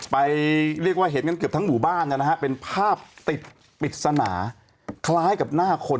ไปเรียกว่าเห็นกันเกือบทั้งหมู่บ้านนะฮะเป็นภาพติดปริศนาคล้ายกับหน้าคน